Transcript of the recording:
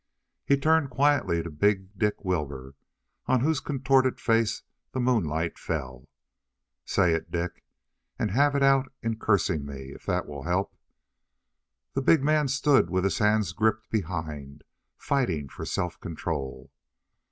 He turned quietly to big Dick Wilbur, on whose contorted face the moonlight fell. "Say it, Dick, and have it out in cursing me, if that'll help." The big man stood with his hands gripped behind, fighting for self control.